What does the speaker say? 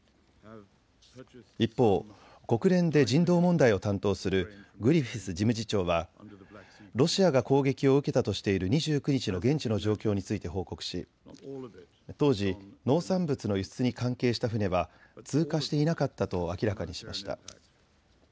一方、国連で人道問題を担当するグリフィス事務次長はロシアが攻撃を受けたとしている２９日の現地の状況について報告し、当時、農産物の輸出に関係した船は通過していなかったと明らかにしました。